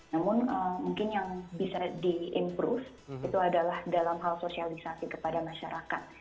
namun mungkin yang bisa di improve itu adalah dalam hal sosialisasi kepada masyarakat